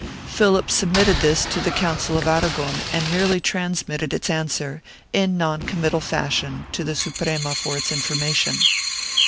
Philip submitted this to the Council of Aragon and merely transmitted its answer, in non committal fashion, to the Suprema for its information.